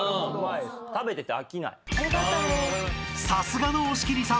［さすがの押切さん。